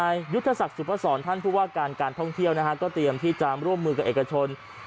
ยุฒิสักษ์สุภสรท่านพูดว่าการท่องเที่ยวก็เตรียมที่จะร่วมมือกับเอกชน